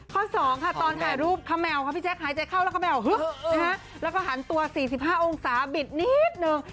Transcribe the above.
๒ค่ะตอนถ่ายรูปขแมวค่ะพี่แจ๊คหายใจเข้าแล้วก็แมวฮึแล้วก็หันตัว๔๕องศาบิดนิดนึง